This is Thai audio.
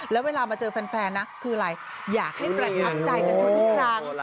แล้วเวลามาเจอแฟนนะคืออะไรอยากให้แบรนด์อัพใจกับลูกคลัง